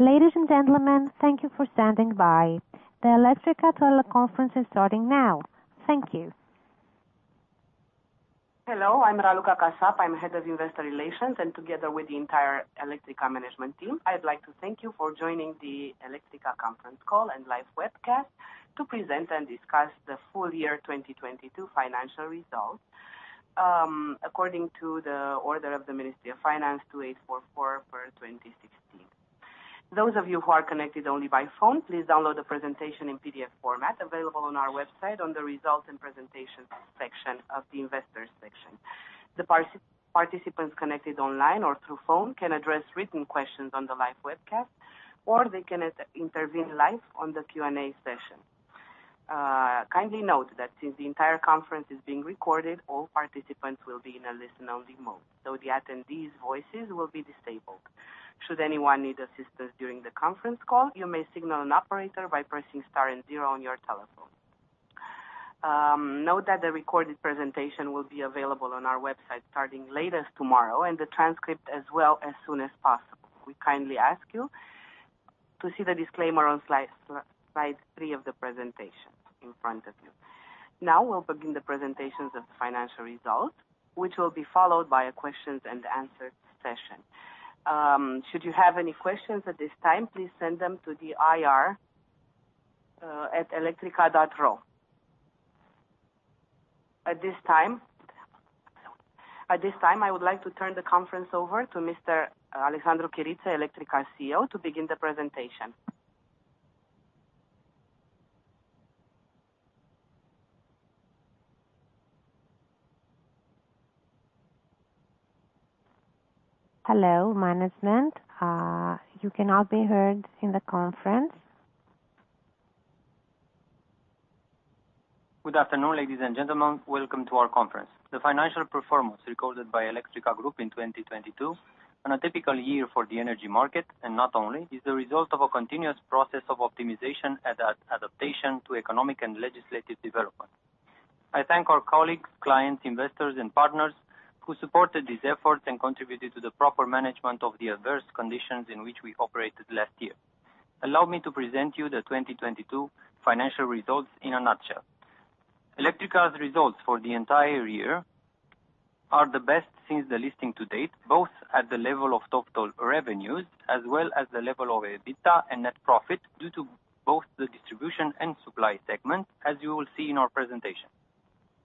Ladies and gentlemen, thank you for standing by. The Electrica teleconference is starting now. Thank you. Hello, I'm Raluca Kasap. I'm Head of Investor Relations, and together with the entire Electrica management team, I'd like to thank you for joining the Electrica conference call and live webcast to present and discuss the full year 2022 financial results, according to the Order of the Ministry of Finance 2844/2016. Those of you who are connected only by phone, please download the presentation in PDF format available on our website on the Results and Presentation section of the Investors section. The participants connected online or through phone can address written questions on the live webcast, or they can intervene live on the Q&A session. Kindly note that since the entire conference is being recorded, all participants will be in a listen-only mode, so the attendees' voices will be disabled. Should anyone need assistance during the conference call, you may signal an operator by pressing star and zero on your telephone. Note that the recorded presentation will be available on our website starting latest tomorrow, and the transcript as well as soon as possible. We kindly ask you to see the disclaimer on slide 3 of the presentation in front of you. We'll begin the presentations of the financial results, which will be followed by a questions and answers session. Should you have any questions at this time, please send them to the IR at electrica.ro. At this time, I would like to turn the conference over to Mr. Alexandru Chiriță, Electrica CEO, to begin the presentation. Hello, management. You cannot be heard in the conference. Good afternoon, ladies and gentlemen. Welcome to our conference. The financial performance recorded by Electrica Group in 2022, on a typical year for the energy market, and not only, is the result of a continuous process of optimization adaptation to economic and legislative development. I thank our colleagues, clients, investors and partners who supported these efforts and contributed to the proper management of the adverse conditions in which we operated last year. Allow me to present you the 2022 financial results in a nutshell. Electrica's results for the entire year are the best since the listing to date, both at the level of total revenues as well as the level of EBITDA and net profit due to both the distribution and supply segment, as you will see in our presentation.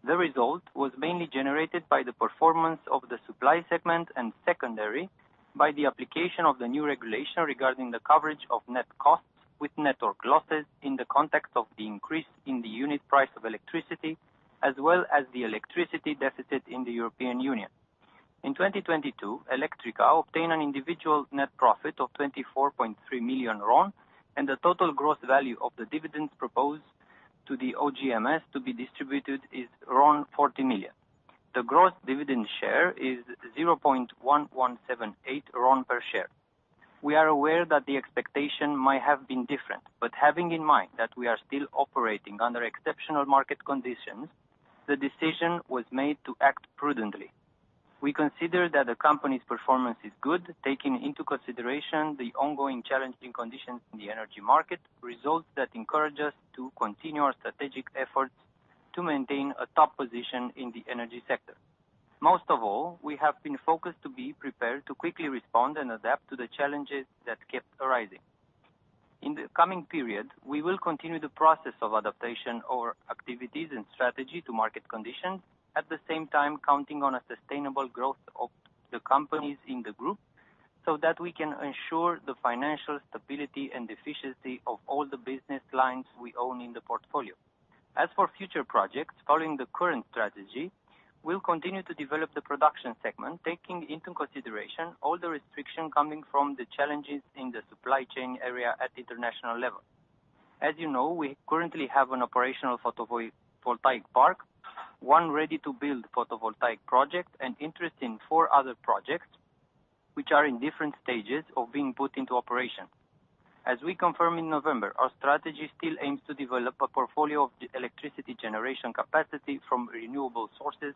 The result was mainly generated by the performance of the supply segment and secondary by the application of the new regulation regarding the coverage of net costs with network losses in the context of the increase in the unit price of electricity, as well as the electricity deficit in the European Union. In 2022, Electrica obtained an individual net profit of RON 24.3 million, and the total gross value of the dividends proposed to the OGMS to be distributed is RON 40 million. The gross dividend share is RON 0.1178 per share. We are aware that the expectation might have been different, but having in mind that we are still operating under exceptional market conditions, the decision was made to act prudently. We consider that the company's performance is good, taking into consideration the ongoing challenging conditions in the energy market, results that encourage us to continue our strategic efforts to maintain a top position in the energy sector. Most of all, we have been focused to be prepared to quickly respond and adapt to the challenges that kept arising. In the coming period, we will continue the process of adaptation or activities and strategy to market conditions, at the same time counting on a sustainable growth of the companies in the group, so that we can ensure the financial stability and efficiency of all the business lines we own in the portfolio. As for future projects, following the current strategy, we'll continue to develop the production segment, taking into consideration all the restriction coming from the challenges in the supply chain area at the international level. As you know, we currently have an operational photovoltaic park, one ready-to-build photovoltaic project and interest in 4 other projects which are in different stages of being put into operation. As we confirmed in November, our strategy still aims to develop a portfolio of the electricity generation capacity from renewable sources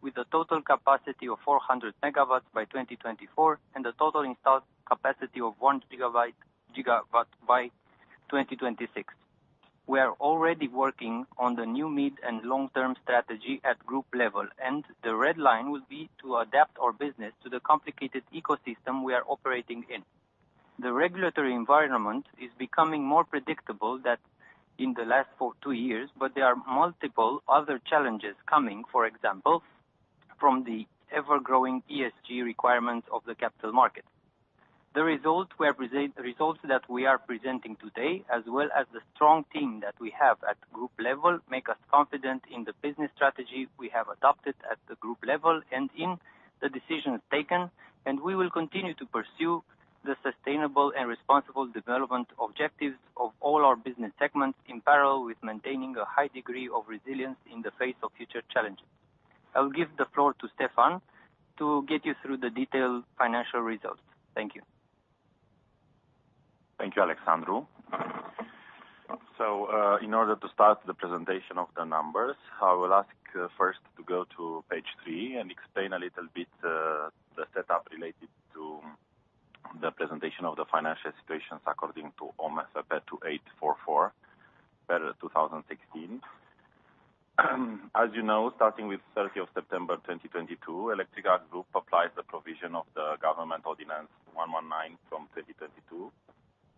with a total capacity of 400 MW by 2024 and a total installed capacity of 1 GW by 2026. We are already working on the new mid- and long-term strategy at group level. The red line will be to adapt our business to the complicated ecosystem we are operating in. The regulatory environment is becoming more predictable that in the last 4, 2 years. There are multiple other challenges coming, for example, from the ever-growing ESG requirements of the capital market. The results that we are presenting today, as well as the strong team that we have at group level, make us confident in the business strategy we have adopted at the group level and in the decisions taken. We will continue to pursue the sustainable and responsible development objectives of all our business segments in parallel with maintaining a high degree of resilience in the face of future challenges. I will give the floor to Stefan to get you through the detailed financial results. Thank you. Thank you, Alexandru Chiriță. In order to start the presentation of the numbers, I will ask 1st to go to page 3 and explain a little bit the setup related to the presentation of the financial situations according to OMFP 2844/2016. As you know, starting with September 30, 2022, Electrica Group applies the provision of the Government Emergency Ordinance 119/2022,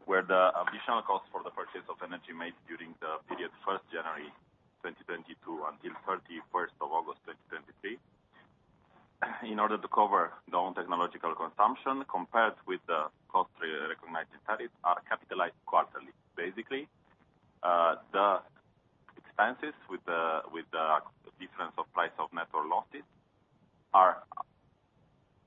where the additional cost for the purchase of energy made during the period January 1, 2022 until August 31, 2023, in order to cover non-technological consumption compared with the cost re-recognized tariffs are capitalized quarterly. Basically, the expenses with the difference of price of network losses are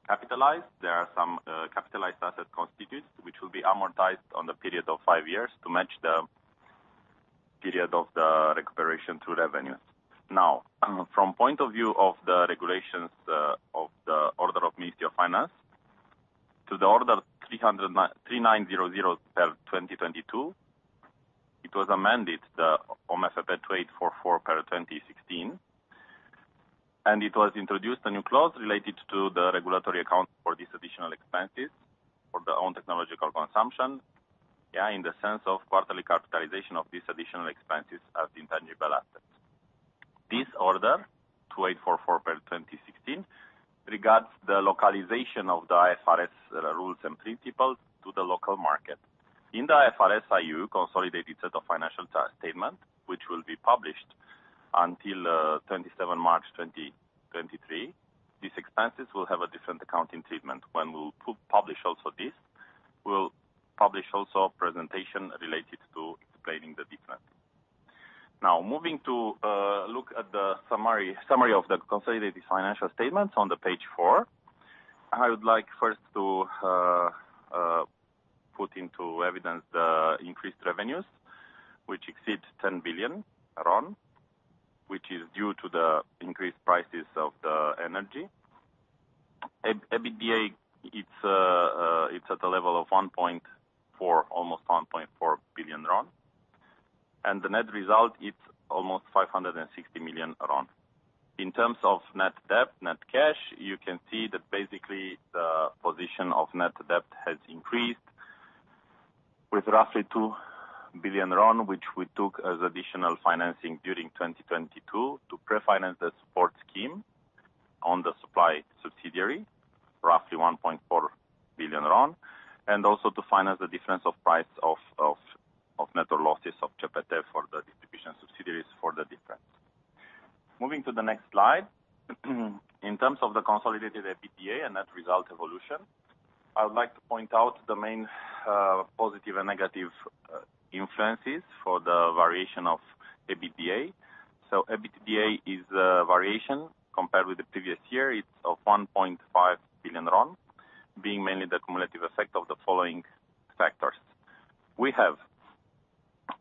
capitalized. There are some capitalized asset constituents, which will be amortized on the period of 5 years to match the period of the recuperation to revenues. From point of view of the regulations, of the Order of Ministry of Public Finance to the Order 3900/2022, it was amended the OMFP 2844/2016. It was introduced a new clause related to the regulatory account for these additional expenses for their Own Technological Consumption. Yeah, in the sense of quarterly capitalization of these additional expenses as intangible assets. This Order 2844/2016 regards the localization of the IFRS rules and principles to the local market. In the IFRS EU consolidated set of financial statement, which will be published until 27 March 2023, these expenses will have a different accounting treatment. When we'll publish also this, we'll publish also a presentation related to explaining the difference. Moving to look at the summary of the consolidated financial statements on page 4. I would like first to put into evidence the increased revenues, which exceed RON 10 billion, which is due to the increased prices of the energy. EBITDA, it's at the level of almost RON 1.4 billion. The net result, it's almost RON 560 million. In terms of net debt, net cash, you can see that basically the position of net debt has increased with roughly RON 2 billion, which we took as additional financing during 2022 to pre-finance the support scheme on the supply subsidiary, roughly RON 1.4 billion, and also to finance the difference of price of net or losses of CEPE-TE for the distribution subsidiaries for the difference. Moving to the next slide. In terms of the consolidated EBITDA and net result evolution, I would like to point out the main positive and negative influences for the variation of EBITDA. EBITDA is a variation compared with the previous year. It's of RON 1.5 billion, being mainly the cumulative effect of the following factors. We have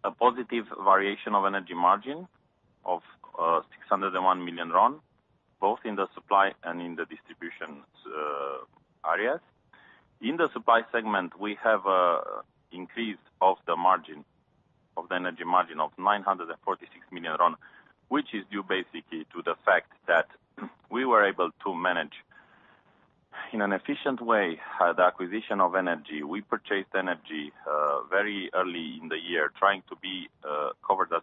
a positive variation of energy margin of RON 601 million, both in the supply and in the distribution areas. In the supply segment, we have increase of the margin, of the energy margin of RON 946 million, which is due basically to the fact that we were able to manage in an efficient way the acquisition of energy. We purchased energy very early in the year, trying to be covered as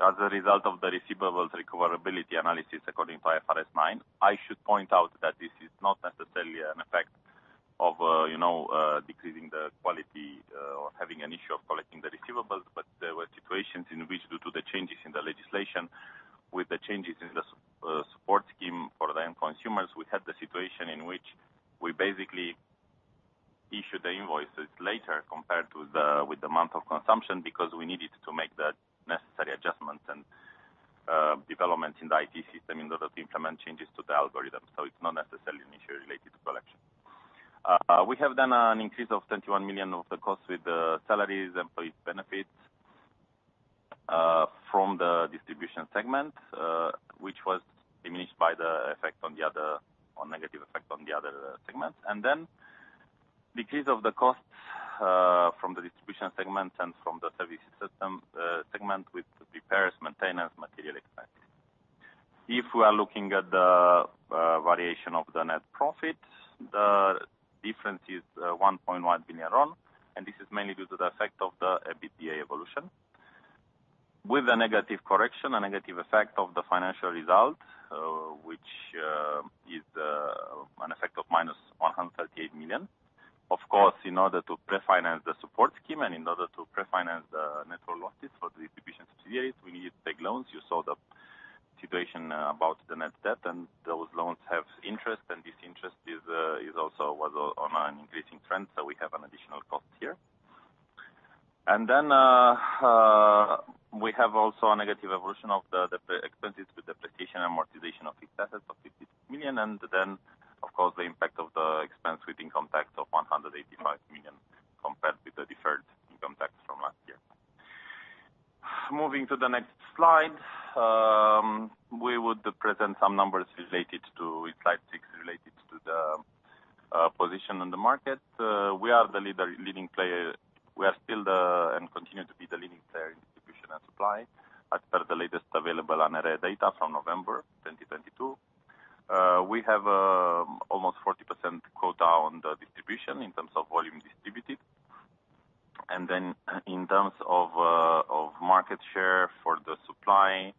As a result of the receivables recoverability analysis according to IFRS 9, I should point out that this is not necessarily an effect of, you know, decreasing the quality or having an issue of collecting the receivables. There were situations in which due to the changes in the legislation, with the changes in the support scheme for the end consumers, we had the situation in which we basically issued the invoices later compared to the month of consumption, because we needed to make the necessary adjustments and developments in the IT system in order to implement changes to the algorithm. It's not necessarily an issue related to collection. We have done an increase of RON 21 million of the costs with the salaries, employee benefits. From the distribution segment, which was diminished by the negative effect on the other segments. Decrease of the costs from the distribution segment and from the service system segment with repairs, maintenance, material expenses. If we are looking at the variation of the net profit, the difference is RON 1.1 billion, and this is mainly due to the effect of the EBITDA evolution. With a negative correction, a negative effect of the financial result, which is an effect of minus RON 138 million. In order to pre-finance the support scheme and in order to pre-finance the network losses for the distribution subsidiary, we need to take loans. You saw the situation about the net debt, those loans have interest, and this interest was also on an increasing trend, so we have an additional cost here. Then, we have also a negative evolution of the expenses with depreciation amortization of fixed assets of RON 56 million. Then, of course, the impact of the expense with income tax of RON 185 million compared with the deferred income tax from last year. Moving to the next slide, we would present some numbers related to, with slide 6, related to the position on the market. We are the leading player. We are still the leading player in distribution and supply as per the latest available ANRE data from November 2022. We have almost 40% quota on the distribution in terms of volume distributed. In terms of market share for the supply,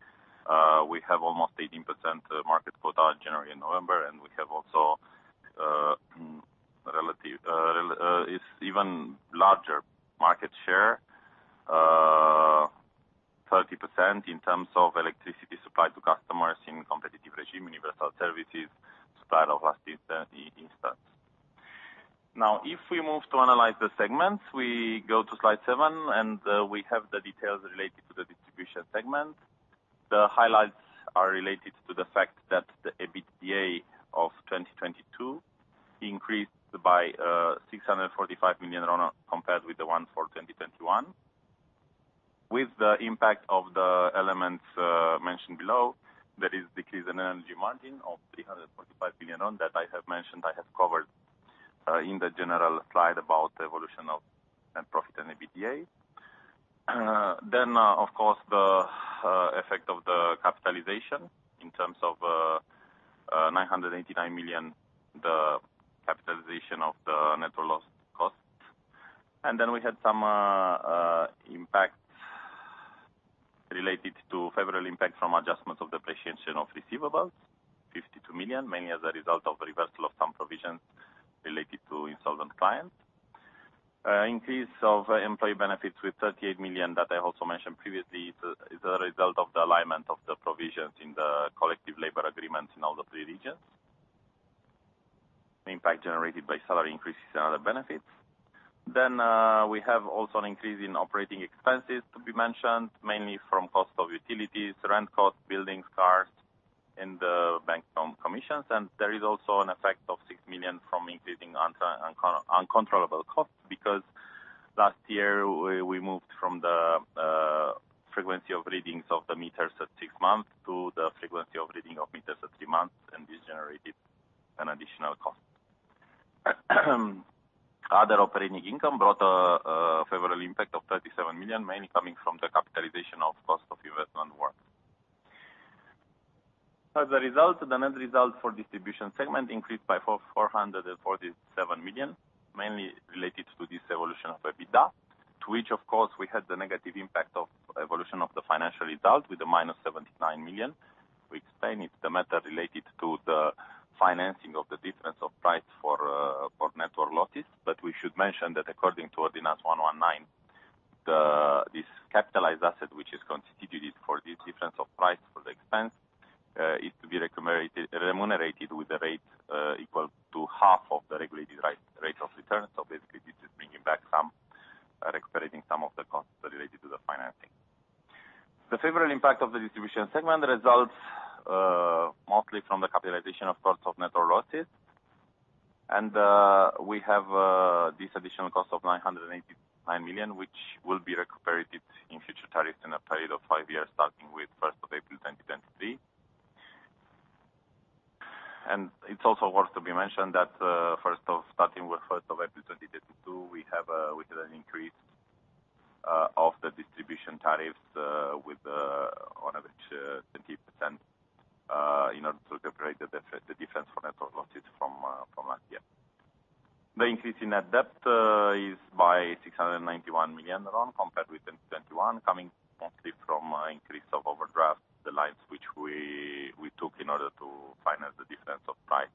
we have almost 18% market quota in January and November, and we have also relative is even larger market share, 30% in terms of electricity supply to customers in competitive regime, universal services, supply of last resort instance. Now, if we move to analyze the segments, we go to slide 7, we have the details related to the distribution segment. The highlights are related to the fact that the EBITDA of 2022 increased by RON 645 million compared with the one for 2021. With the impact of the elements mentioned below, there is decrease in energy margin of RON 345 billion that I have mentioned, I have covered in the general slide about the evolution of net profit and EBITDA. Then, of course, the effect of the capitalization in terms of RON 989 million, the capitalization of the net loss costs. We had some impact related to favorable impact from adjustments of depreciation of receivables, RON 52 million, mainly as a result of reversal of some provisions related to insolvent clients. Increase of employee benefits with RON 38 million that I also mentioned previously is a result of the alignment of the provisions in the collective labor agreements in all the three regions. The impact generated by salary increases and other benefits. We have also an increase in operating expenses to be mentioned, mainly from cost of utilities, rent costs, buildings, cars, and bank loan commissions. There is also an effect of RON 6 million from increasing uncontrollable costs, because last year we moved from the frequency of readings of the meters at 6 months to the frequency of reading of meters at 3 months, and this generated an additional cost. Other operating income brought a favorable impact of RON 37 million, mainly coming from the capitalization of cost of investment work. As a result, the net result for distribution segment increased by RON 447 million, mainly related to this evolution of EBITDA, to which of course we had the negative impact of evolution of the financial result with a minus RON 79 million. We explained it, the matter related to the financing of the difference of price for network losses. We should mention that according to Ordinance 119, this capitalized asset, which is constituted for this difference of price for the expense, is to be remunerated with a rate equal to half of the regulated rate of return. Basically, this is bringing back some recuperating some of the costs related to the financing. The favorable impact of the distribution segment results mostly from the capitalization, of course, of network losses. We have this additional cost of RON 989 million, which will be recuperated in future tariffs in a period of 5 years, starting with April 1, 2023. It's also worth to be mentioned that starting with April 1, 2022, we had an increase of the distribution tariffs with on average 20% in order to recuperate the difference for network losses from last year. The increase in net debt is by RON 691 million compared with 2021, coming mostly from increase of overdraft, the lines which we took in order to finance the difference of price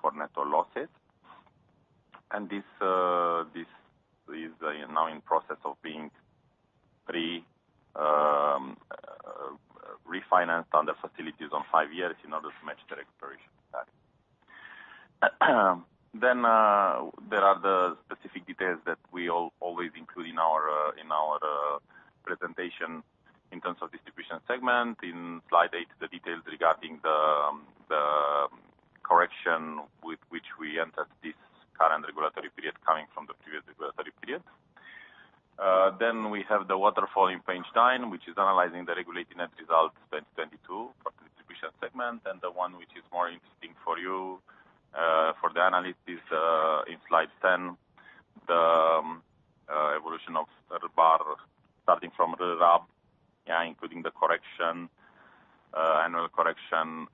for network losses. This is now in process of being refinanced under facilities on 5 years in order to match the expiration date. There are the specific details that we always include in our presentation in terms of distribution segment. In slide 8, the details regarding the We entered this current regulatory period coming from the previous regulatory period. We have the waterfall in page 9, which is analyzing the regulated net results 2022 for the distribution segment, and the one which is more interesting for you for the analysis in slide 10. The evolution of RBAR, starting from the RAB. Yeah, including the correction, annual correction,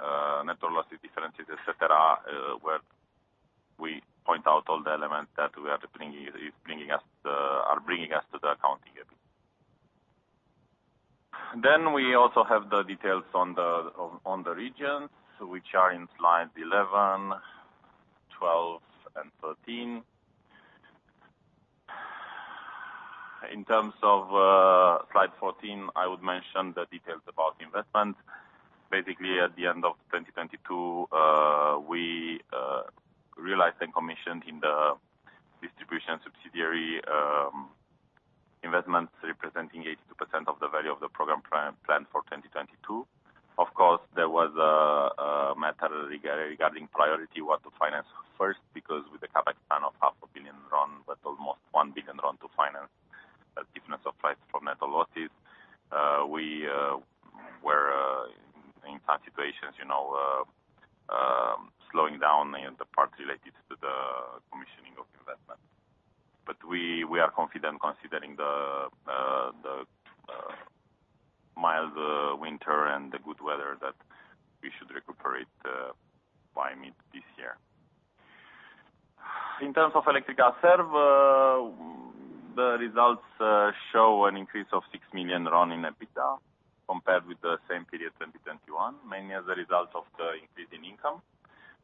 net losses, differences, et cetera, where we point out all the elements that are bringing us to the accounting EBIT. We also have the details on the regions, which are in slide 11, 12, and 13. In terms of slide 14, I would mention the details about investment. Basically, at the end of 2022, we realized and commissioned in the distribution subsidiary, investments representing 82% of the value of the program planned for 2022. Of course, there was a matter regarding priority what to finance first because with a CapEx plan of half a billion RON, but almost RON 1 billion to finance a difference of price from network losses, we were in such situations, you know, slowing down the parts related to the commissioning of investment. We are confident considering the mild winter and the good weather that we should recuperate by mid this year. In terms of Electrica Serv, the results show an increase of RON 6 million in EBITDA compared with the same period 2021, mainly as a result of the increase in income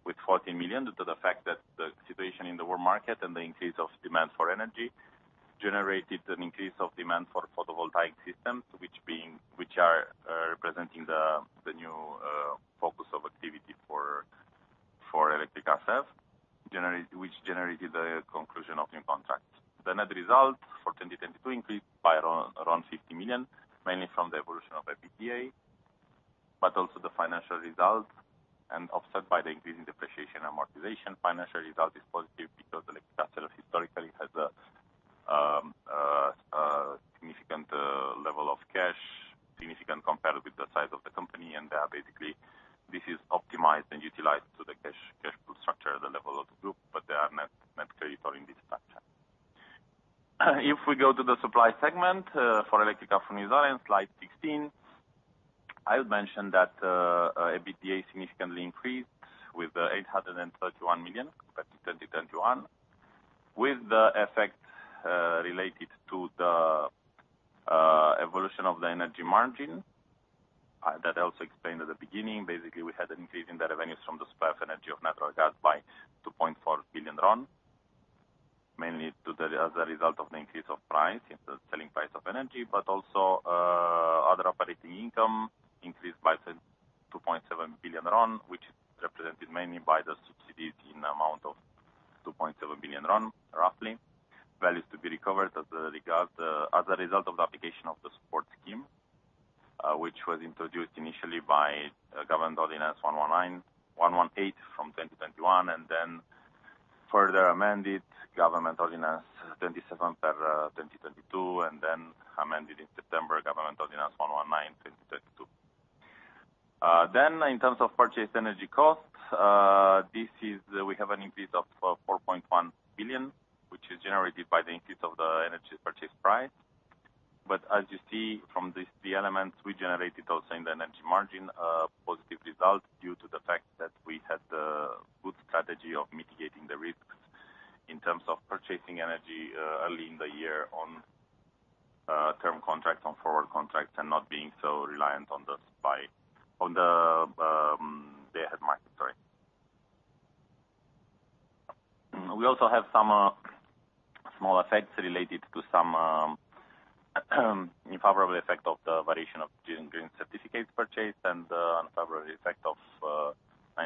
with RON 14 million, due to the fact that the situation in the world market and the increase of demand for energy generated an increase of demand for photovoltaic systems, which are representing the new focus of activity for Electrica Serv. Which generated the conclusion of new contracts. The net results for 2022 increased by around RON 50 million, mainly from the evolution of EBITDA, but also the financial results and offset by the increase in depreciation amortization. Financial result is positive because Electrica Serv historically has a significant level of cash, significant compared with the size of the company. Basically this is optimized and utilized to the cash pool structure at the level of the group, but they are net creditor in this structure. If we go to the supply segment for Electrica Furnizare, slide 16, I would mention that EBITDA significantly increased with RON 831 million compared to 2021. With the effect related to the evolution of the energy margin that I also explained at the beginning. Basically, we had an increase in the revenues from the supply of energy of natural gas by RON 2.4 billion, mainly as a result of an increase of price in the selling price of energy. Other operating income increased by RON 2.7 billion, which is represented mainly by the subsidies in the amount of RON 2.7 billion, roughly. Values to be recovered as regard as a result of the application of the support scheme, which was introduced initially by Government Ordinance 119, 118 from 2021, and then further amended, Government Ordinance 27 per 2022 and then amended in September, Government Ordinance 119, 2022. In terms of purchased energy costs, We have an increase of RON 4.1 billion, which is generated by the increase of the energy purchase price. As you see from this, the elements we generated also in the energy margin, positive results due to the fact that we had the good strategy of mitigating the risks in terms of purchasing energy, early in the year on, term contracts, on forward contracts, and not being so reliant on the day-ahead market, sorry. We also have some small effects related to some unfavorable effect of the variation of green certificates purchased and unfavorable effect of RON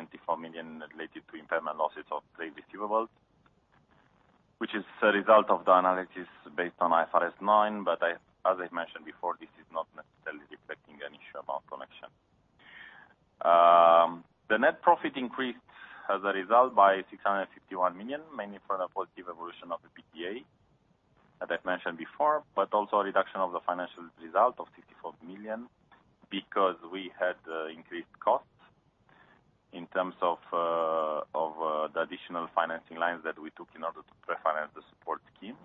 94 million related to impairment losses of trade receivables, which is a result of the analysis based on IFRS 9, but as I mentioned before, this is not necessarily reflecting any share amount connection. The net profit increased as a result by RON 651 million, mainly from the positive evolution of EBITDA, as I've mentioned before. Also a reduction of the financial result of RON 54 million because we had increased costs in terms of the additional financing lines that we took in order to pre-finance the support scheme.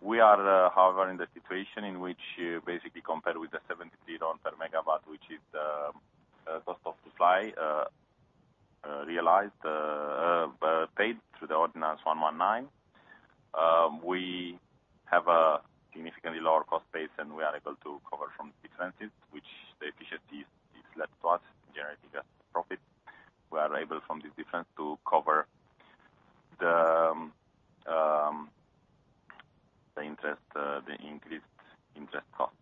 We are, however, in the situation in which basically compared with the 70 RON per MW, which is the cost of supply realized paid through the Ordinance 119. We have a significantly lower cost base, and we are able to recover from the differences which the efficiency is led to us generating a profit. We are able from this difference to cover the interest, the increased interest costs.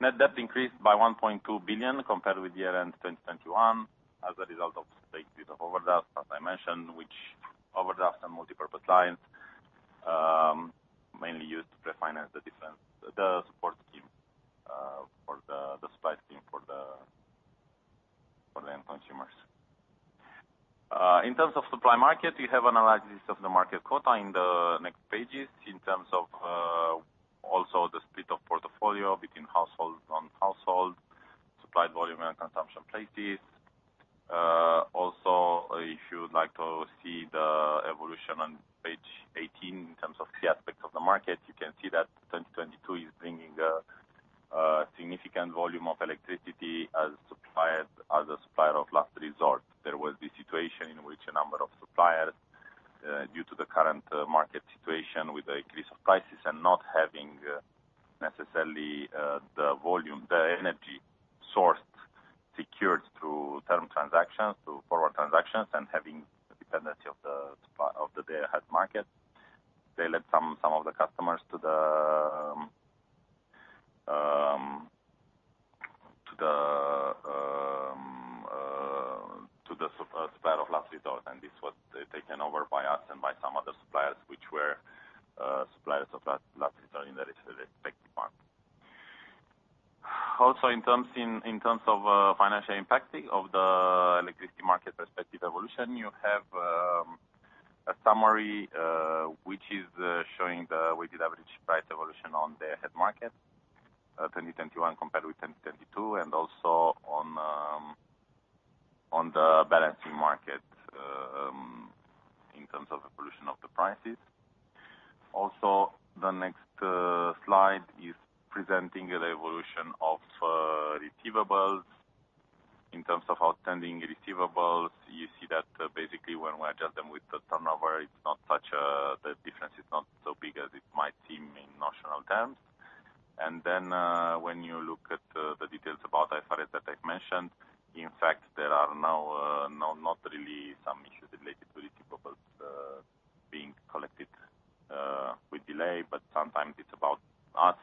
Net debt increased by RON 1.2 billion compared with year-end 2021 as a result of the increase of overdraft, as I mentioned, which overdraft and multipurpose lines, mainly used to pre-finance the support for the supply chain for the end consumers. In terms of supply market, we have analysis of the market quota in the next pages in terms of also the split of portfolio between household, non-household, supplied volume and consumption places. Also, if you would like to see the evolution on page 18 in terms of key aspects of the market, you can see that 2022 is bringing a significant volume of electricity as supplier, as a supplier of last resort. There will be situation in which a number of suppliers, due to the current market situation with the increase of prices and not having necessarily the volume, the energy sourced, secured through term transactions, through forward transactions, and having the dependency of the day-ahead market. They let some of the customers to the supplier of last resort, and this was taken over by us and by some other suppliers, which were suppliers of last resort in the respective months. Also, in terms of financial impacting of the electricity market perspective evolution, you have a summary which is showing the weighted average price evolution on day-ahead market 2021 compared with 2022, and also on the balancing market in terms of evolution of the prices. Also, the next slide is presenting the evolution of receivables. In terms of outstanding receivables, you see that basically when we adjust them with the turnover, it's not such a difference is not so big as it might seem in notional terms. When you look at the details about IFRS that I've mentioned, in fact, there are now not really some issues related to receivables being collected with delay, but sometimes it's about us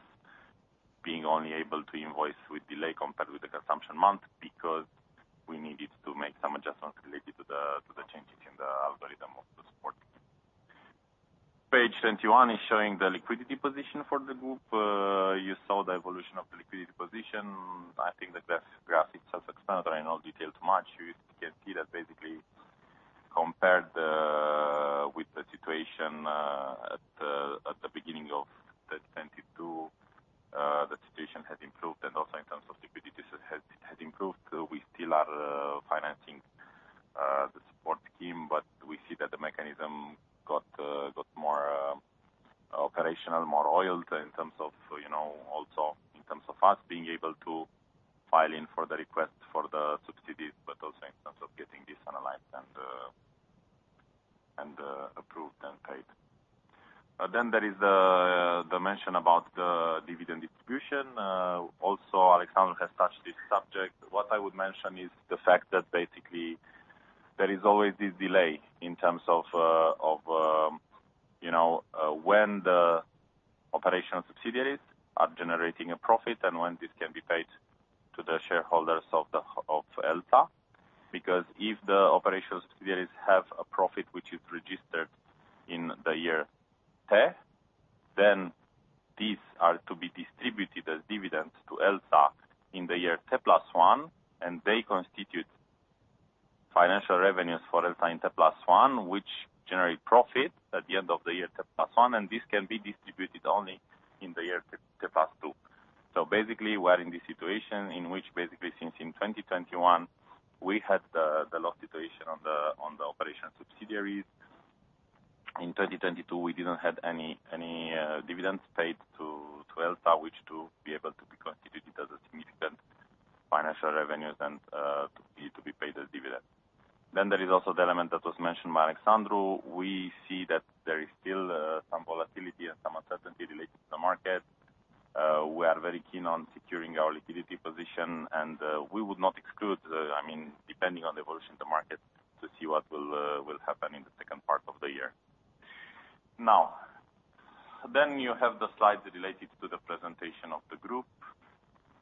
being only able to invoice with delay compared with the consumption month, because we needed to make some adjustments related to the changes in the algorithm of the support. Page 21 is showing the liquidity position for the Electrica Group. You saw the evolution of the liquidity position. I think the graph itself is self-explanatory. I don't want to detail too much. You can see that basically, compared with the situation at the beginning of 2022, the situation has improved and also in terms of liquidity, so has improved. We still are financing the support scheme, we see that the mechanism got more operational, more oiled in terms of, you know, also in terms of us being able to file in for the request for the subsidies, but also in terms of getting this analyzed and and approved and paid. There is the mention about the dividend distribution. Alexandru has touched this subject. What I would mention is the fact that basically there is always this delay in terms of of, you know, when the operational subsidiaries are generating a profit and when this can be paid to the shareholders of Electrica. If the operational subsidiaries have a profit which is registered in the year T, then these are to be distributed as dividends to Electrica in the year T + 1, and they constitute financial revenues for Electrica in T + 1, which generate profit at the end of the year T + 1, and this can be distributed only in the year T + 2. Basically, we are in this situation in which basically since in 2021, we had the loss situation on the operational subsidiaries. In 2022, we didn't have any dividends paid to Electrica, which to be able to be constituted as a significant financial revenues and to be paid as dividends. There is also the element that was mentioned by Alexandru. We see that there is still some volatility and some uncertainty related to the market. We are very keen on securing our liquidity position, and we would not exclude, I mean, depending on the evolution of the market, to see what will happen in the second part of the year. You have the slides related to the presentation of the group,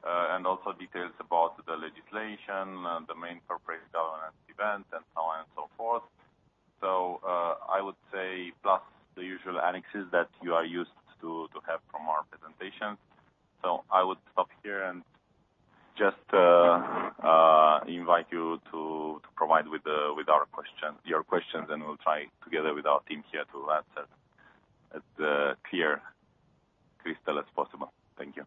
and also details about the legislation, the main corporate governance events, and so on and so forth. I would say plus the usual annexes that you are used to have from our presentations. I would stop here and just invite you to provide with your questions, and we'll try together with our team here to answer as clear crystal as possible. Thank you.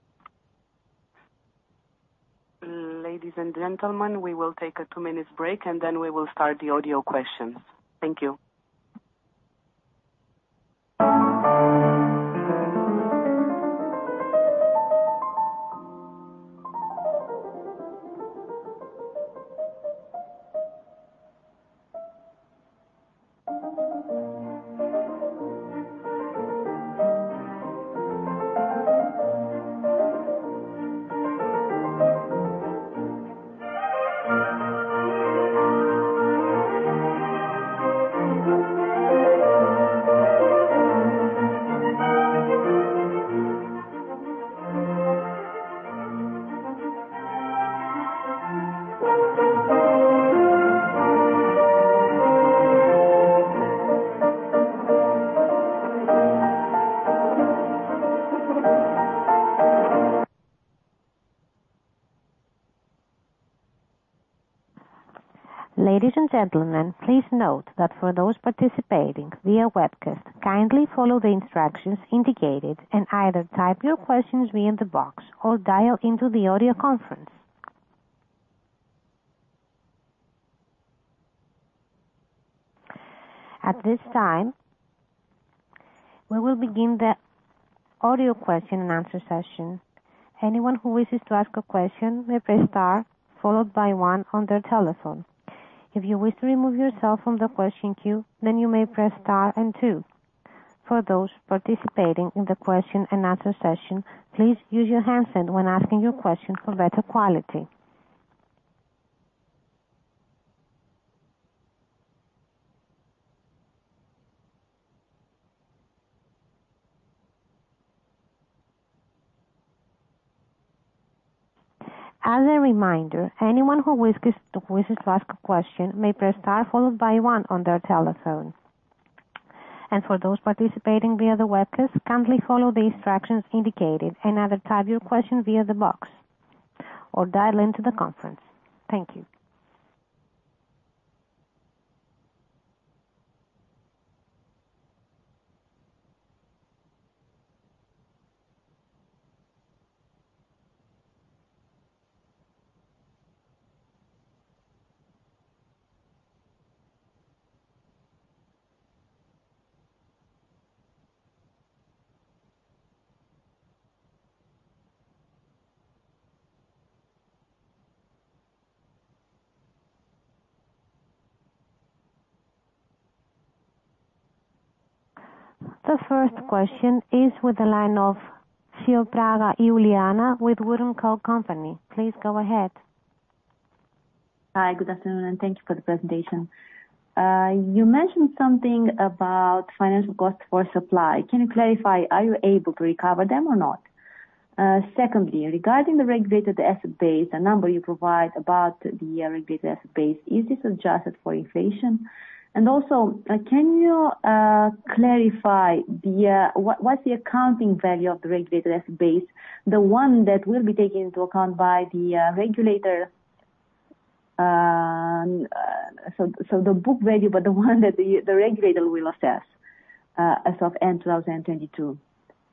Ladies and gentlemen, we will take a two-minute break, and then we will start the audio questions. Thank you. Ladies and gentlemen, please note that for those participating via webcast, kindly follow the instructions indicated and either type your questions via the box or dial into the audio conference. At this time, we will begin the audio question and answer session. Anyone who wishes to ask a question may press star followed by one on their telephone. If you wish to remove yourself from the question queue, then you may press star and two. For those participating in the question and answer session, please use your handset when asking your question for better quality. As a reminder, anyone who wishes to ask a question may press star followed by one on their telephone. For those participating via the webcast, kindly follow the instructions indicated and either type your question via the box or dial into the conference. Thank you. The first question is with the line of Ciopraga Iuliana with WOOD & Company. Please go ahead. Hi, good afternoon, and thank you for the presentation. You mentioned something about financial cost for supply. Can you clarify, are you able to recover them or not? Secondly, regarding the Regulated Asset Base, the number you provide about the Regulated Asset Base, is this adjusted for inflation? Also, can you clarify what's the accounting value of the Regulated Asset Base, the one that will be taken into account by the regulator, so the book value, but the one that the regulator will assess as of end 2022?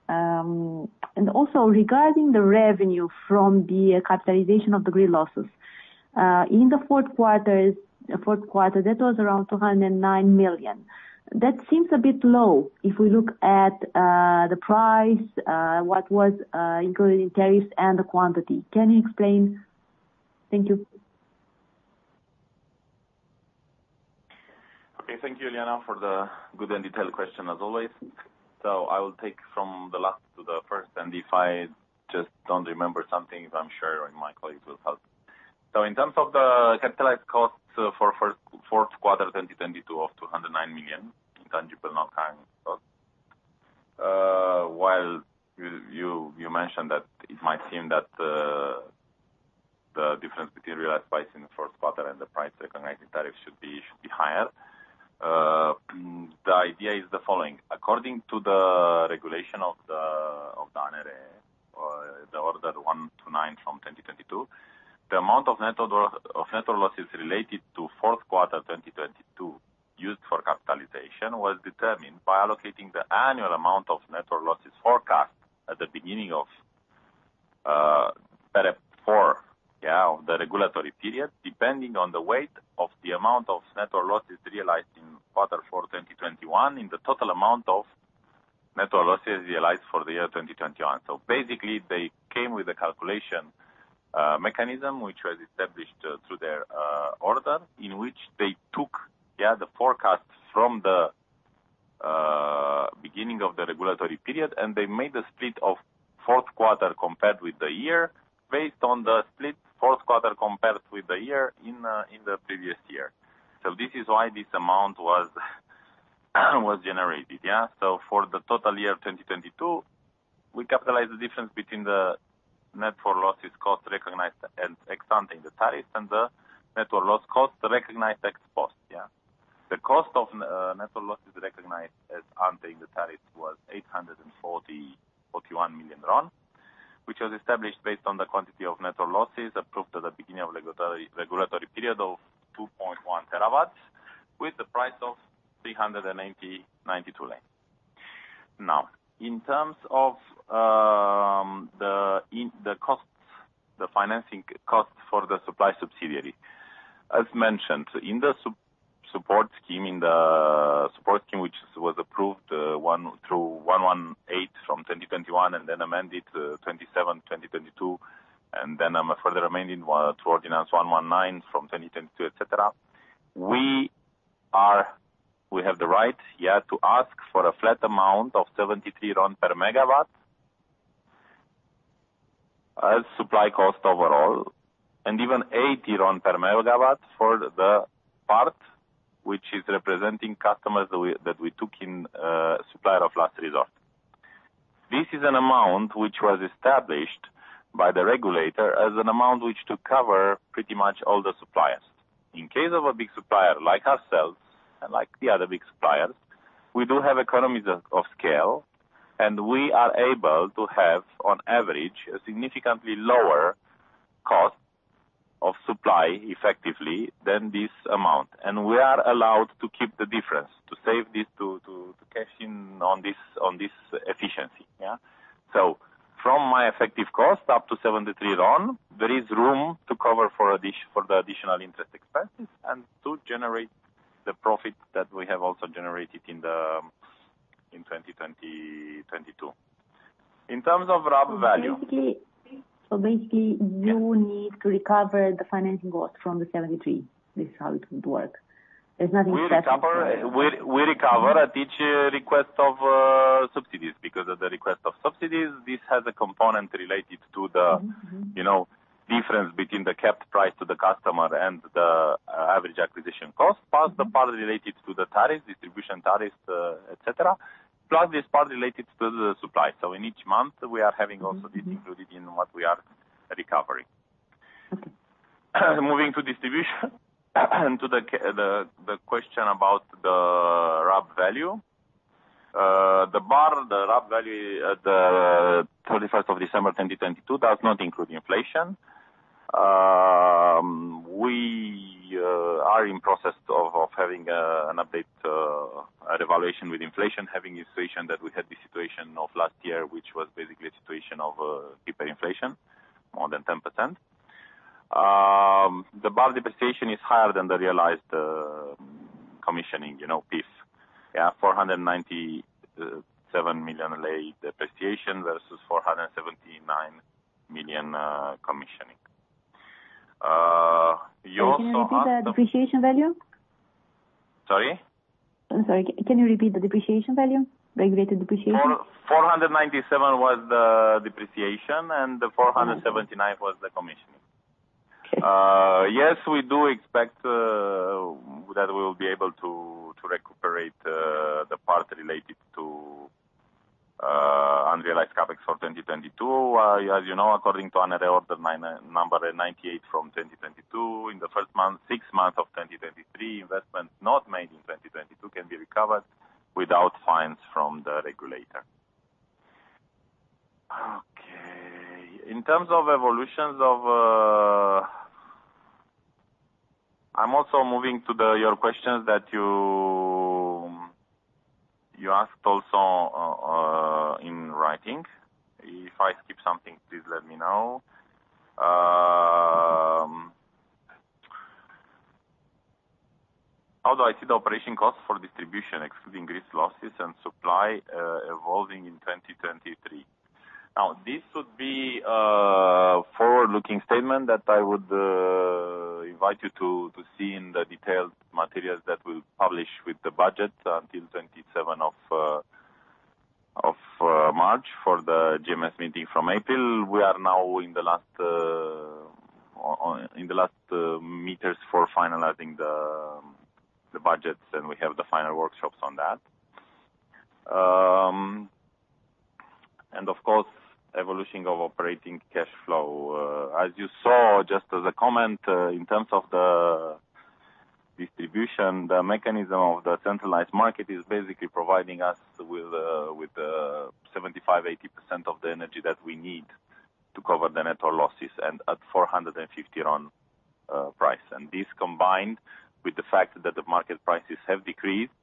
Also regarding the revenue from the capitalization of network losses. In the fourth quarter, that was around RON 209 million. That seems a bit low if we look at the price, what was included in tariffs and the quantity. Can you explain? Thank you. Okay. Thank you, Iuliana, for the good and detailed question as always. I will take from the last to the first, and if I just don't remember something, I'm sure one of my colleagues will help. In terms of the capitalized costs for fourth quarter 2022 of RON 209 million in tangible net current cost, while you mentioned that it might seem that the difference between realized price in the fourth quarter and the price recognized in tariff should be higher. The idea is the following: according to the regulation of the ANRE, or the Order 129/2022, the amount of network losses related to fourth quarter 2022 used for capitalization was determined by allocating the annual amount of network losses forecast at the beginning of the regulatory period, depending on the weight of the amount of network losses realized in quarter four 2021 in the total amount of network losses realized for the year 2021. Basically, they came with a calculation mechanism which was established through their order, in which they took, yeah, the forecasts from the beginning of the regulatory period, and they made a split of fourth quarter compared with the year based on the split fourth quarter compared with the year in the previous year. This is why this amount was generated, yeah? For the total year of 2022, we capitalized the difference between the network losses cost recognized and exempting the tariff and the network loss cost recognized ex-post, yeah? The cost of network losses recognized as entering the tariff was RON 841 million, which was established based on the quantity of network losses approved at the beginning of regulatory period of 2.1 TW, with the price of RON 392. In terms of the costs, the financing costs for the supply subsidiary, as mentioned, in the support scheme which was approved through 118 from 2021 and then amended, 27 from 2022, and then further amended through ordinance 119 from 2022, et cetera, we have the right, yeah, to ask for a flat amount of 73 RON per MW as supply cost overall, and even RON 80 per MW for the part which is representing customers that we took in, supplier of last resort. This is an amount which was established by the regulator as an amount which to cover pretty much all the suppliers. In case of a big supplier like ourselves and like the other big suppliers, we do have economies of scale, and we are able to have, on average, a significantly lower cost of supply effectively than this amount. We are allowed to keep the difference to save this to cash in on this efficiency. Yeah. From my effective cost, up to RON 73, there is room to cover for the additional interest expenses and to generate the profit that we have also generated in 2022. In terms of RAB value- So basically- Yeah. Basically, you need to recover the financing cost from the RON 73. This is how it would work. There's nothing set in stone. We recover at each request of subsidies, because at the request of subsidies, this has a component related to. You know, difference between the capped price to the customer and the average acquisition cost, plus the part related to the tariffs, distribution tariffs, et cetera, plus this part related to the supply. In each month, we are having. This included in what we are recovering. Okay. Moving to distribution. To the question about the RAB value. The RAB value at 31st of December 2022 does not include inflation. We are in process of having an update revaluation with inflation, having inflation that we had the situation of last year, which was basically a situation of hyperinflation, more than 10%. The RAB depreciation is higher than the realized commissioning, you know, PIF. RON 497 million depreciation versus RON 479 million commissioning. You also asked- Can you repeat the depreciation value? Sorry? I'm sorry. Can you repeat the depreciation value? Regulated depreciation. RON 497 was the depreciation, and RON 479 was the commissioning. Okay. Yes, we do expect that we will be able to recuperate the part related to unrealized CapEx for 2022. As you know, according to ANRE Order 98/2022, in the first month, 6 months of 2023, investments not made in 2022 can be recovered without fines from the regulator. Okay. In terms of evolutions of I'm also moving to your questions that you asked also in writing. If I skip something, please let me know. How do I see the operation costs for distribution, excluding network losses and supply, evolving in 2023? Now, this would be a forward-looking statement that I would invite you to see in the detailed materials that we'll publish with the budget until 27 of March for the GMS meeting from April. We are now in the last meters for finalizing the budgets, and we have the final workshops on that. Of course, evolution of operating cash flow. As you saw, just as a comment, in terms of the distribution, the mechanism of the centralized market is basically providing us with 75%-80% of the energy that we need to cover the network losses and at RON 450 price. This combined with the fact that the market prices have decreased,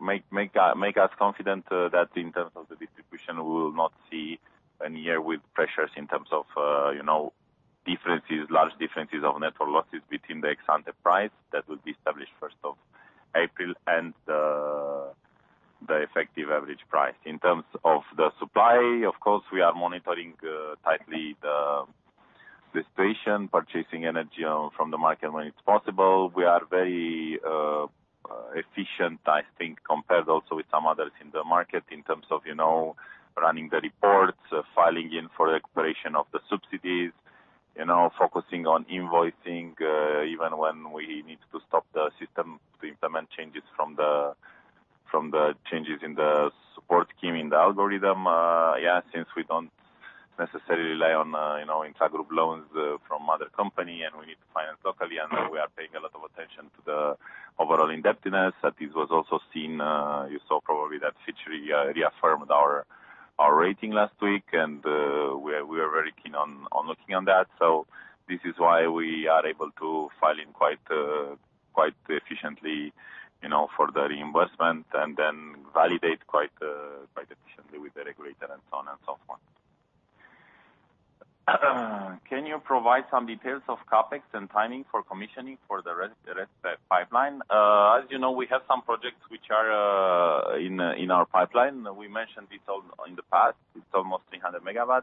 make us confident that in terms of the distribution, we will not see any year with pressures in terms of, you know, differences, large differences of network losses between the ex-ante price that will be established 1st of April and the effective average price. In terms of the supply, of course, we are monitoring tightly the situation, purchasing energy from the market when it's possible. We are very efficient, I think, compared also with some others in the market in terms of, you know, running the reports, filing in for the expiration of the subsidies, you know, focusing on invoicing, even when we need to stop the system to implement changes from the changes in the support scheme in the algorithm. Yeah, since we don't necessarily rely on, you know, intragroup loans, from other company and we need to finance locally, we are paying a lot of attention to the overall indebtedness. This was also seen, you saw probably that Fitch Ratings reaffirmed our rating last week, we are very keen on looking on that. This is why we are able to file in quite efficiently, you know, for the reimbursement then validate quite efficiently with the regulator and so on and so forth. Can you provide some details of CapEx and timing for commissioning for the RES pipeline? As you know, we have some projects which are in our pipeline. We mentioned this in the past. It's almost 300 MW.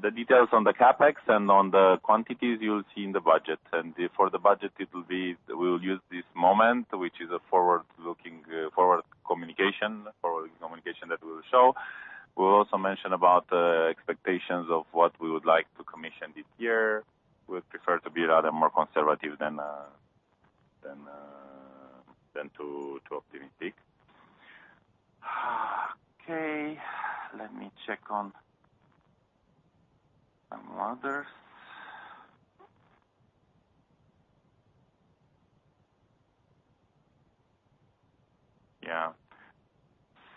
The details on the CapEx and on the quantities you'll see in the budget. For the budget, we will use this moment, which is a forward-looking, forward communication that we will show. We'll also mention about expectations of what we would like to commission this year. We prefer to be rather more conservative than too optimistic. Okay, let me check on some others. Yeah.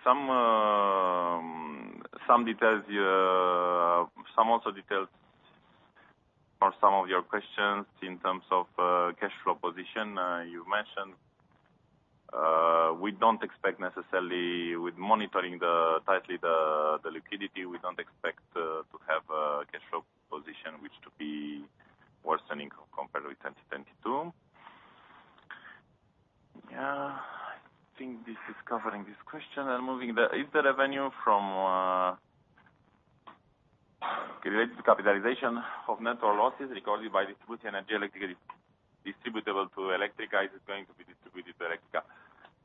Some details, some also details or some of your questions in terms of cash flow position, you mentioned. We don't expect necessarily with monitoring tightly the liquidity, we don't expect to have a cash flow position which to be worsening compared with 2022. Yeah, I think this is covering this question. Moving, the is the revenue from related to capitalization of net or losses recorded by Distribuție Energie Electrică, distributable to Electrica, is going to be distributed to Electrica.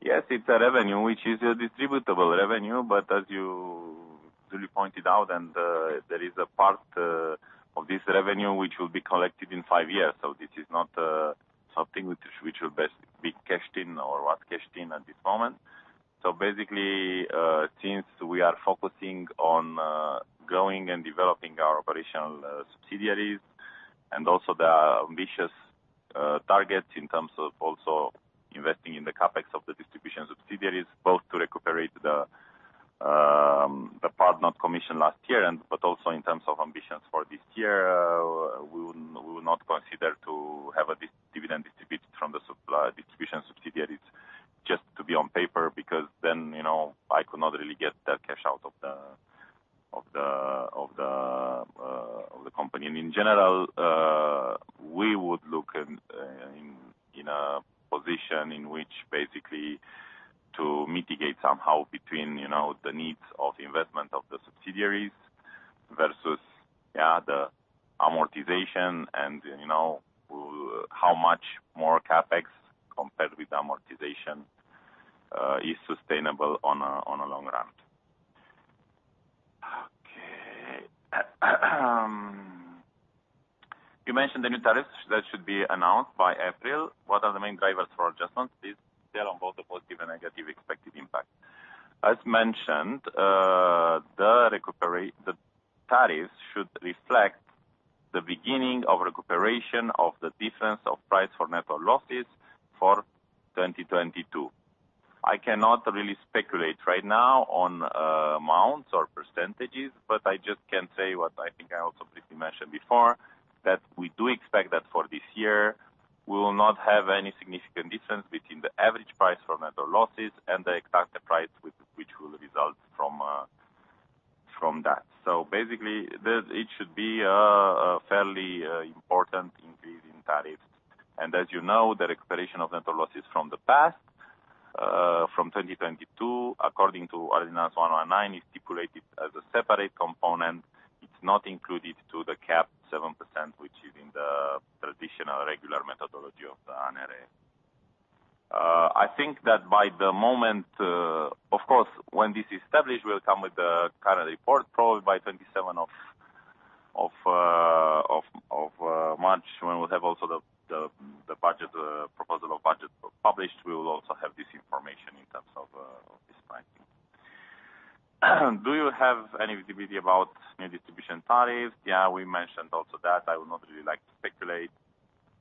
Yes, it's a revenue which is a distributable revenue. As you really pointed out, there is a part of this revenue which will be collected in 5 years. This is not something which will be cashed in or was cashed in at this moment. Basically, since we are focusing on growing and developing our operational subsidiaries and also the ambitious targets in terms of also investing in the CapEx of the distribution subsidiaries, both to recuperate the part not commissioned last year and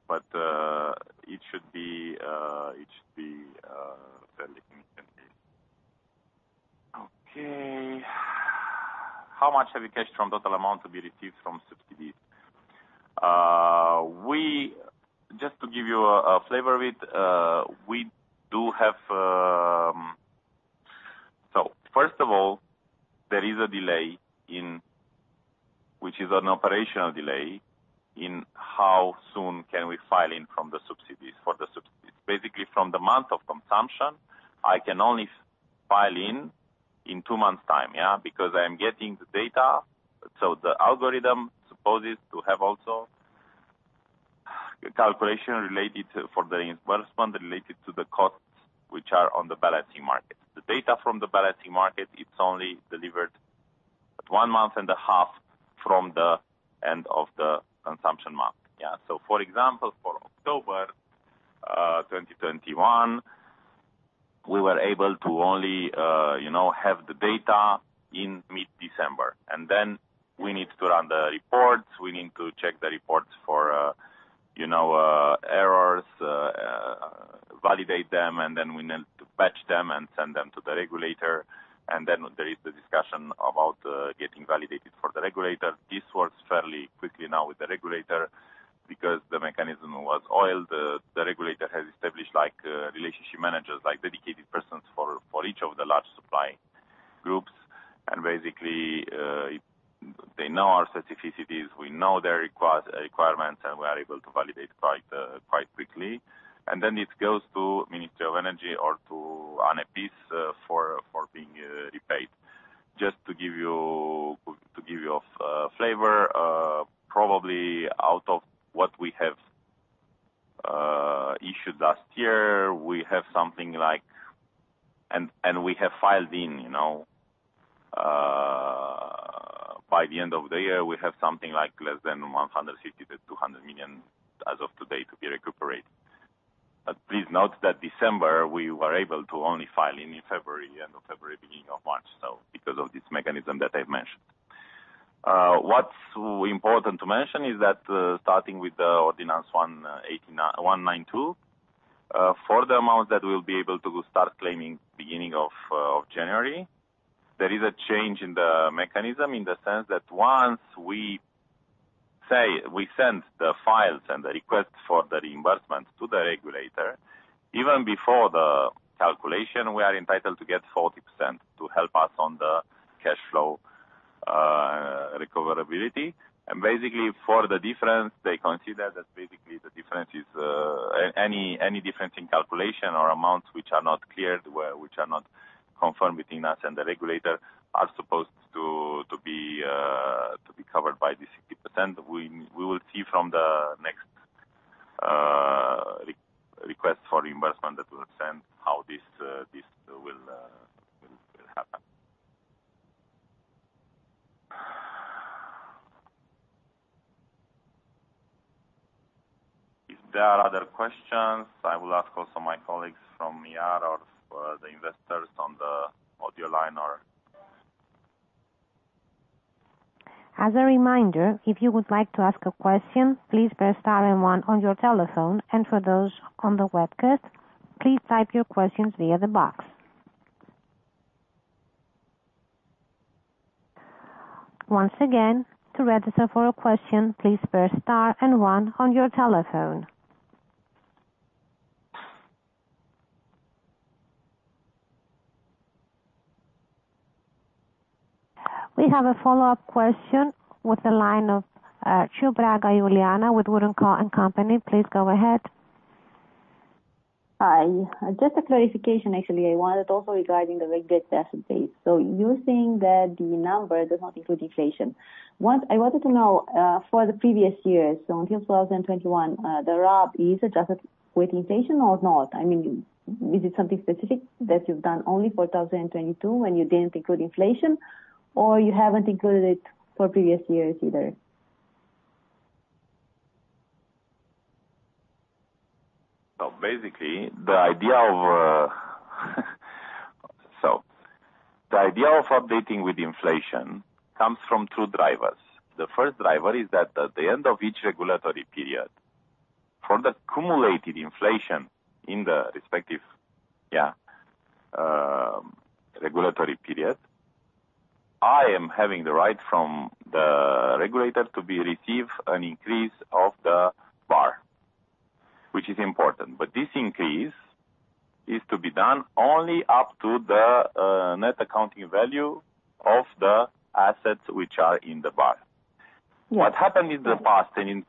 but it should be fairly significant. Okay. How much have you cashed from total amount to be received from subsidies? Just to give you a flavor of it, we do have. First of all, there is a delay which is an operational delay, in how soon can we file in from the subsidies, for the subsidies. From the month of consumption, I can only file in 2 months' time. Because I am getting the data. The algorithm supposes to have also a calculation related to for the reimbursement related to the costs, which are on the balancing market. The data from the balancing market, it's only delivered at 1 month and a half from the end of the consumption month. For example, for October 2021, we were able to only, you know, have the data in mid-December. We need to run the reports, we need to check the reports for, you know, errors, validate them, we need to patch them and send them to the regulator. There is the discussion about getting validated for the regulator. This works fairly quickly now with the regulator because the mechanism was oiled. The regulator has established, like, relationship managers, like dedicated persons for each of the large supply groups. Basically, they know our specificities, we know their requirements, and we are able to validate quite quickly. Then it goes to Ministry of Energy or to ANRE for being repaid. Just to give you a flavor, probably out of what we have issued last year, we have something like. And we have filed in, you know, By the end of the year, we have something like less than RON 150 million-RON 200 million as of today to be recuperated. Please note that December, we were able to only file in February, end of February, beginning of March, because of this mechanism that I've mentioned. What's important to mention is that, starting with the Ordinance 192, for the amount that we'll be able to start claiming beginning of January, there is a change in the mechanism in the sense that once we say we send the files and the request for the reimbursement to the regulator. Even before the calculation, we are entitled to get 40% to help us on the cash flow, recoverability. Basically, for the difference, they consider that basically the difference is any difference in calculation or amounts which are not cleared, which are not confirmed between us and the regulator, are supposed to be covered by the 60%. We will see from the next request for reimbursement that will send how this will happen. If there are other questions, I will ask also my colleagues from me or for the investors on the audio line or. As a reminder, if you would like to ask a question, please press star and one on your telephone, and for those on the webcast, please type your questions via the box. Once again, to register for a question, please press star and one on your telephone. We have a follow-up question with the line of Iuliana Ciocirlan with Wood & Company. Please go ahead. Hi. Just a clarification, actually, I wanted also regarding the Regulated Asset Base. You're saying that the number does not include inflation. What I wanted to know, for the previous years, so until 2021, the RAB is adjusted with inflation or not? I mean, is it something specific that you've done only for 2022 when you didn't include inflation, or you haven't included it for previous years either? Basically, the idea of updating with inflation comes from 2 drivers. The first driver is that at the end of each regulatory period, for the cumulated inflation in the respective regulatory period, I am having the right from the regulator to be receive an increase of the RAB, which is important. This increase is to be done only up to the net accounting value of the assets which are in the RAB. What happened in the past and in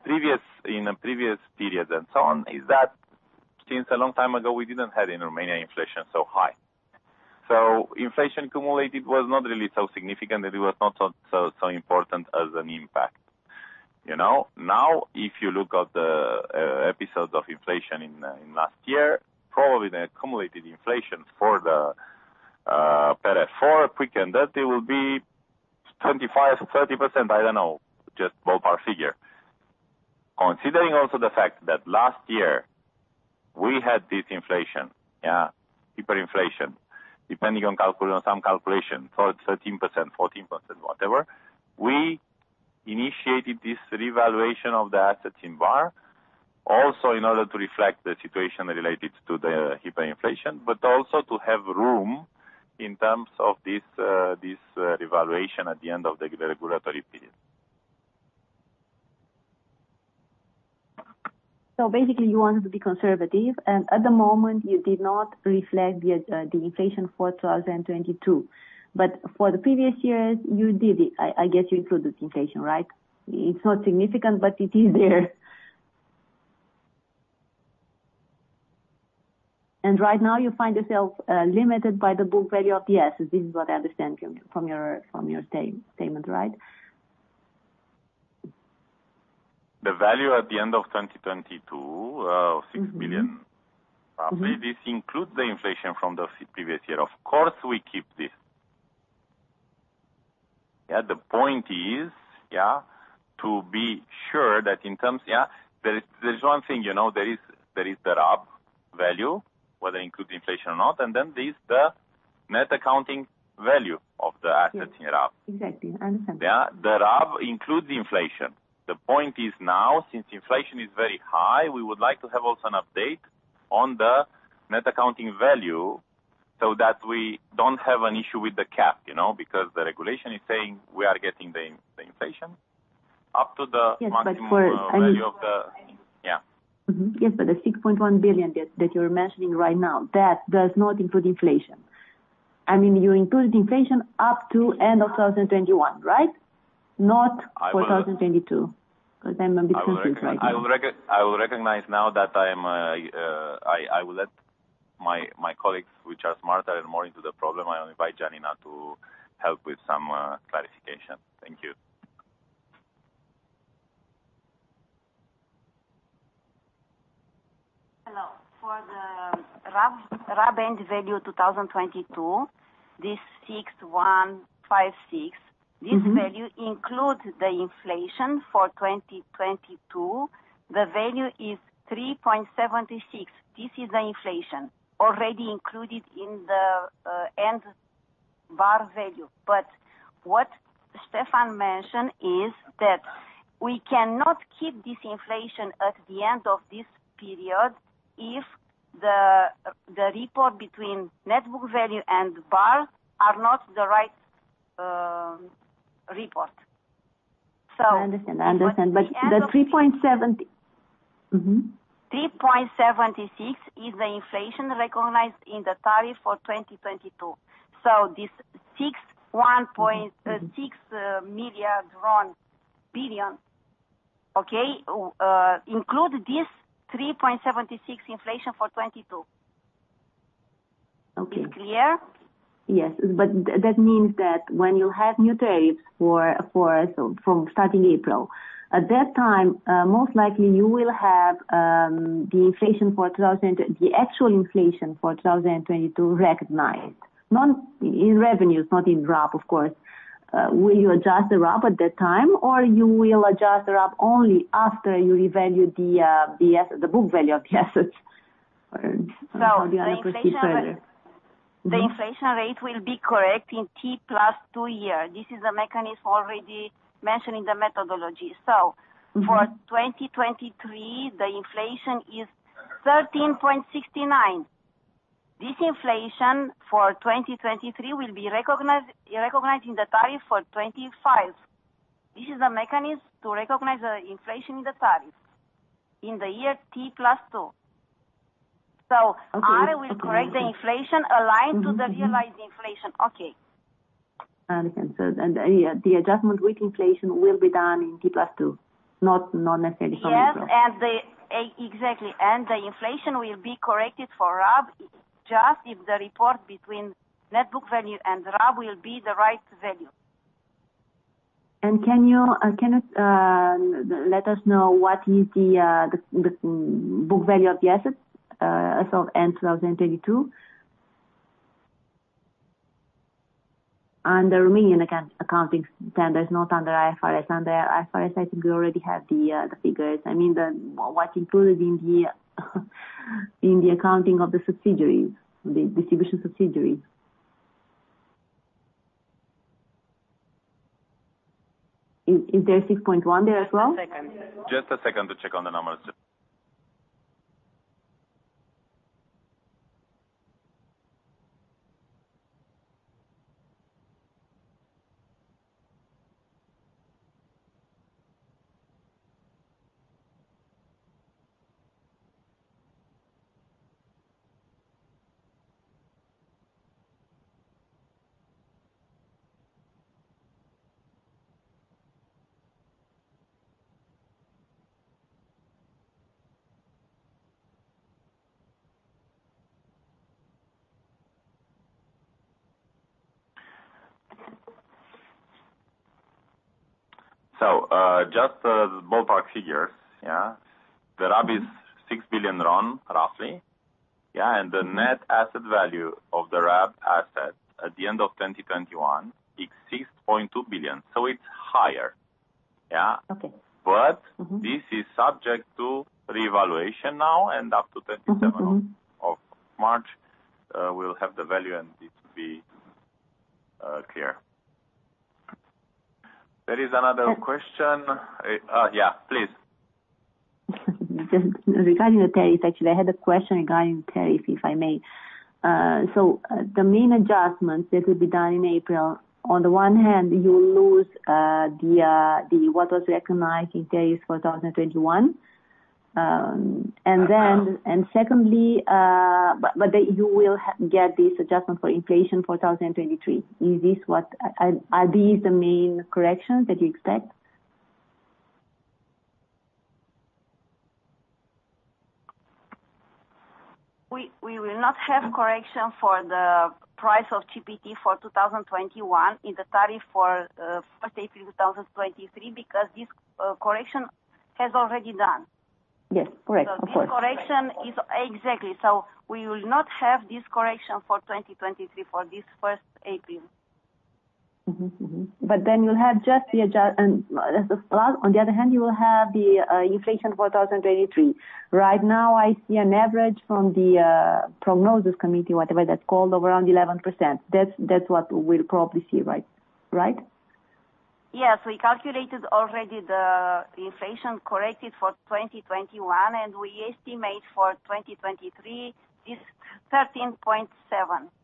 a previous period and so on is that since a long time ago, we didn't have, in Romania, inflation so high. Inflation cumulated was not really so significant, and it was not so important as an impact, you know? If you look at the episode of inflation in last year, probably the accumulated inflation for the period for quick and dirty will be 25%-30%, I don't know, just ballpark figure. Considering also the fact that last year we had this inflation, yeah, hyperinflation, depending on calculation, some calculation, so it's 13%, 14%, whatever. We initiated this revaluation of the assets in RAB also in order to reflect the situation related to the hyperinflation, but also to have room in terms of this revaluation at the end of the regulatory period. Basically you want to be conservative, and at the moment you did not reflect the inflation for 2022. For the previous years, you did it. I get you included inflation, right? It's not significant, but it is there. Right now you find yourself limited by the book value of the assets. This is what I understand from your statement, right? The value at the end of 2022, RON 6 billion. Mm-hmm. This includes the inflation from the pre-previous year. Of course, we keep this. The point is, to be sure that in terms, there is one thing, you know, there is the RAB value, whether it includes inflation or not, and then there's the net accounting value of the assets in RAB. Yes. Exactly. I understand. Yeah. The RAB includes the inflation. The point is now, since inflation is very high, we would like to have also an update on the net accounting value so that we don't have an issue with the cap, you know. The regulation is saying we are getting the inflation up to the- Yes. Maximum, value of the. Yeah. Yes, the RON 6.1 billion that you're mentioning right now, that does not include inflation. I mean, you include inflation up to end of 2021, right? I will- 2022, because I'm a bit confused right now. I will recognize now that I will let my colleagues, which are smarter and more into the problem, I invite Janina to help with some clarification. Thank you. For the RAB end value 2022, this 6,156, this value includes the inflation for 2022. The value is 3.76. This is the inflation already included in the end RAB value. What Stefan mentioned is that we cannot keep this inflation at the end of this period if the report between net book value and RAB are not the right report. I understand. I understand. At the end of the- But the three-point seventy. 3.76% is the inflation recognized in the tariff for 2022. So this RON 6 billion, okay, include this 3.76 inflation for 2022. Okay. Is it clear? Yes. That means that when you have new tariffs for, from starting April, at that time, most likely you will have the actual inflation for 2022 recognized, not in revenues, not in RAB, of course. Will you adjust the RAB at that time or you will adjust the RAB only after you revalue the book value of the assets? How do I put this better? So the inflation- The inflation rate will be correct in T + 2 year. This is a mechanism already mentioned in the methodology. For 2023, the inflation is 13.69%. This inflation for 2023 will be recognized in the tariff for 25. This is a mechanism to recognize the inflation in the tariff in the year T + 2. Okay. Okay. ANRE will correct the inflation aligned to the realized inflation. Okay. Understood. Yeah, the adjustment with inflation will be done in T + 2, not necessarily for April. Yes. Exactly. The inflation will be corrected for RAB just if the report between net book value and RAB will be the right value. Can you let us know what is the book value of the assets as of end 2022? Under Romanian accounting standards, not under IFRS. Under IFRS I think we already have the figures. I mean, what's included in the accounting of the subsidiaries, the distribution subsidiaries. Is there 6.1 there as well? Just a second. Just a second to check on the numbers. Just ballpark figures. Yeah. The RAB is RON 6 billion, roughly. Yeah. The net asset value of the RAB asset at the end of 2021 is RON 6.2 billion, so it's higher. Yeah. Okay. But this is subject to revaluation now, and up to 27 of March, we'll have the value, and it will be clear. There is another question. Yeah, please. Just regarding the tariffs, actually, I had a question regarding tariffs, if I may. The main adjustments that will be done in April, on the one hand, you will lose what was recognized in tariffs for 2021. Secondly, you will get this adjustment for inflation for 2023. Is this what? Are these the main corrections that you expect? We will not have correction for the price of CPT for 2021 in the tariff for first April 2023 because this correction has already done. Yes. Correct. Of course. This correction is. Exactly. We will not have this correction for 2023, for this 1st April. You'll have just the. As a plus, on the other hand, you will have the inflation for 2023. Right now I see an average from the prognosis committee, whatever that's called, around 11%. That's what we'll probably see, right? Right? Yes. We calculated already the inflation corrected for 2021, and we estimate for 2023 is 13.7% inflation.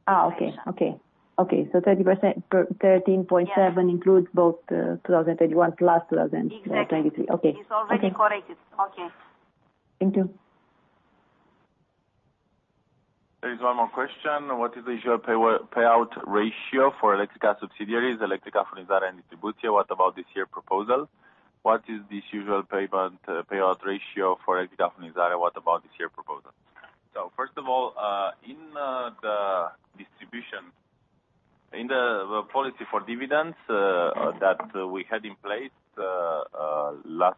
Oh, okay. Okay. Okay. 30%. 13.7- Yes. Includes both, 2021 plus 2023. Exactly. Okay. Okay. It's already corrected. Okay. Thank you. There is one more question. What is the usual payout ratio for Electrica subsidiaries, Electrica Furnizare and Distribuție? What about this year proposal? What is the usual payout ratio for Electrica Furnizare? What about this year proposal? First of all, in the policy for dividends that we had in place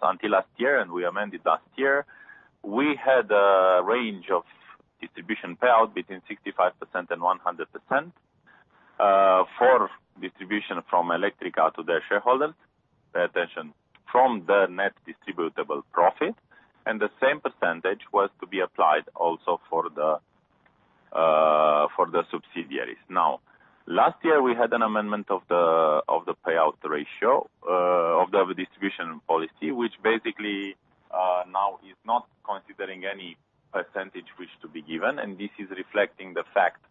until last year, and we amended last year, we had a range of distribution payout between 65% and 100% for distribution from Electrica to their shareholders. Pay attention, from the net distributable profit, and the same percentage was to be applied also for the subsidiaries. Last year we had an amendment of the payout ratio of the distribution policy, which basically now is not considering any percentage which to be given, and this is reflecting the fact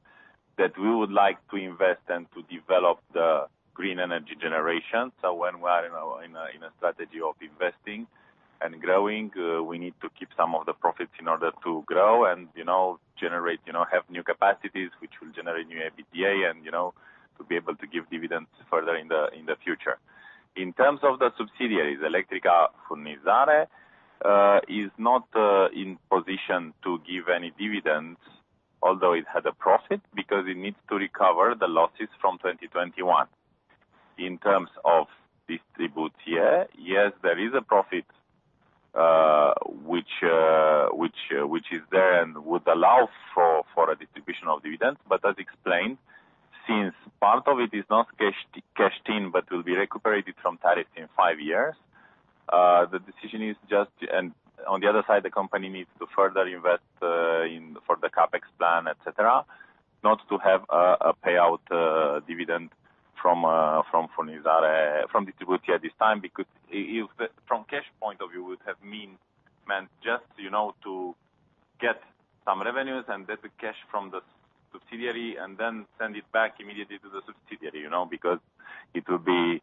that we would like to invest and to develop the green energy generation. When we are in a strategy of investing and growing, we need to keep some of the profits in order to grow and, you know, generate, you know, have new capacities which will generate new EBITDA and, you know, to be able to give dividends further in the future. In terms of the subsidiaries, Electrica Furnizare is not in position to give any dividends, although it had a profit, because it needs to recover the losses from 2021. In terms of Distribuție, yes, there is a profit which is there and would allow for a distribution of dividends. As explained, since part of it is not cash, cashed in, but will be recuperated from tariff in 5 years, the decision is just. On the other side, the company needs to further invest for the CapEx plan, et cetera, not to have a payout dividend from Furnizare, from Distribuție at this time, because if from cash point of view would have meant just, you know, to get some revenues and debit cash from the subsidiary and then send it back immediately to the subsidiary, you know. It will be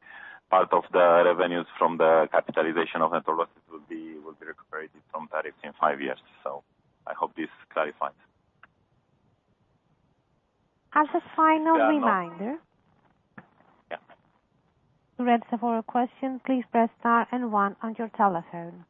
part of the revenues from the capitalization of net losses will be recuperated from tariff in 5 years. I hope this clarifies. As a final reminder. Yeah. To register for a question, please press star and one on your telephone.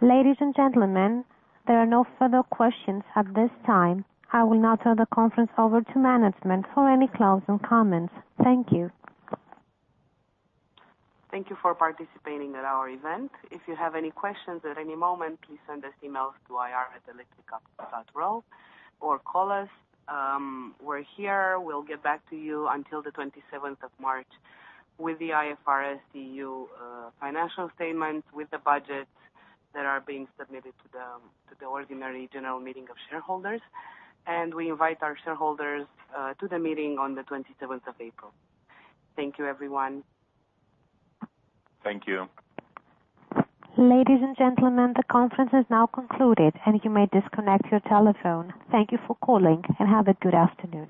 Ladies and gentlemen, there are no further questions at this time. I will now turn the conference over to management for any closing comments. Thank you. Thank you for participating at our event. If you have any questions at any moment, please send us emails to ir@electrica.ro or call us. We're here. We'll get back to you until the 27th of March with the IFRS EU financial statements, with the budgets that are being submitted to the ordinary general meeting of shareholders. We invite our shareholders to the meeting on the 27th of April. Thank you, everyone. Thank you. Ladies and gentlemen, the conference is now concluded, and you may disconnect your telephone. Thank you for calling, and have a good afternoon.